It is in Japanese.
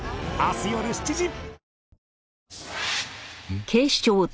ん？